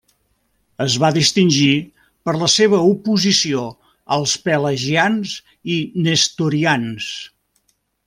Es va distingir per la seva oposició als pelagians i nestorians.